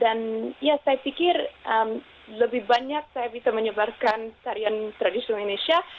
dan saya pikir lebih banyak saya bisa menyebarkan tarian tradisional indonesia